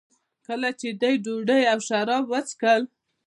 کله چې دوی ډوډۍ او شراب وڅښل.